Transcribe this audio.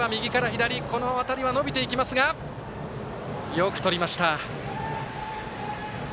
よくとりました。